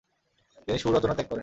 তিনি সুর রচনা ত্যাগ করেন।